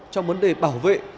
trong vấn đề bảo vệ